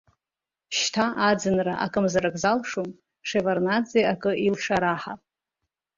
Шьҭа аӡынра акымзарак залшом, Шеварднаӡе ак илшараҳа!